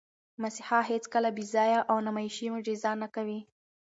مسیحا هیڅکله بېځایه او نمایشي معجزه نه کوي.